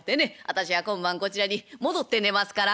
私は今晩こちらに戻って寝ますから」。